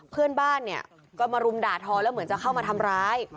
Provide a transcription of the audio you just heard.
เพื่อนบ้านเนี่ยก็มารุมด่าทอแล้วเหมือนจะเข้ามาทำร้าย